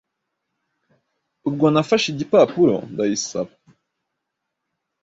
ubwo Nafashe igipapuro ndayisaba.